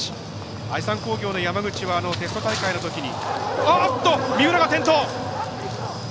愛三工業の山口はテスト大会のときに。